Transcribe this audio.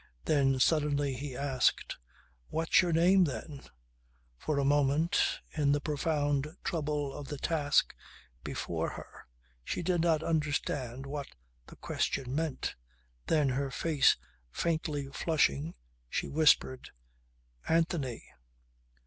Then suddenly he asked: "What's your name then?" For a moment in the profound trouble of the task before her she did not understand what the question meant. Then, her face faintly flushing, she whispered: "Anthony."